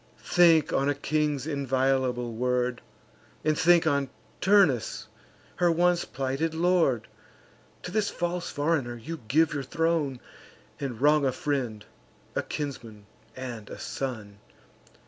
Think on a king's inviolable word; And think on Turnus, her once plighted lord: To this false foreigner you give your throne, And wrong a friend, a kinsman, and a son.